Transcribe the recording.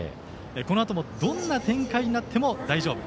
このあともどんな展開になっても大丈夫。